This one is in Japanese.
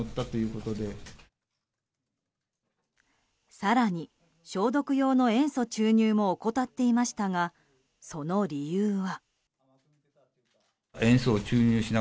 更に、消毒用の塩素注入も怠っていましたが、その理由は。